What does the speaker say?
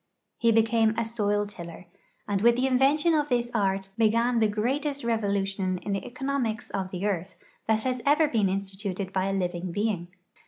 He became a soil tiller, and with the invention of this art began the greatest revo lution in the economics of the earth that has ever been instituted by a living being.